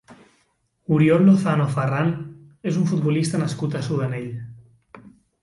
Oriol Lozano Farrán és un futbolista nascut a Sudanell.